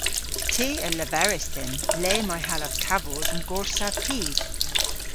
Ty a leveris dhymm le may hallav kavos an gorsav pib.